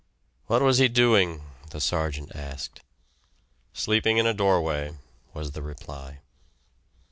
"What was he doing?" the sergeant asked. "Sleeping in a doorway," was the reply.